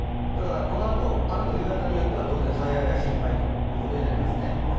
このあと、雨の降り方によっては当然災害が心配ということになりますね。